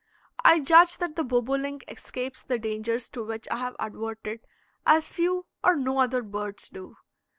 I judge that the bobolink escapes the dangers to which I have adverted as few or no other birds do.